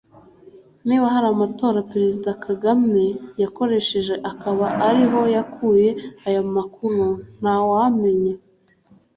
niba hari amatora Perezida Kagame yakoresheje akaba ari ho yakuye aya makuru ntawamenye